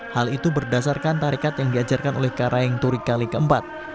hal itu berdasarkan tarikat yang diajarkan oleh karayeng turi kale keempat